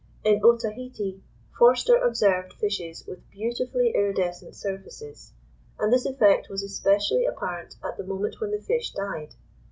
In Otaheite, Forster observed fishes with beautifully iridescent surfaces, and this effect was especially apparent at the moment when the fish died.